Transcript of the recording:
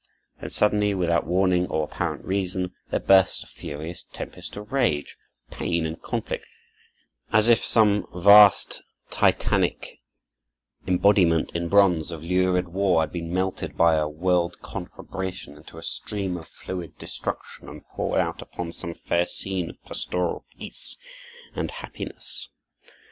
Then suddenly, without warning or apparent reason, there bursts a furious tempest of rage, pain, and conflict, as if some vast Titanic embodiment in bronze of lurid war had been melted by a world conflagration into a stream of fluid destruction, and poured out upon some fair scene of pastoral peace and happiness.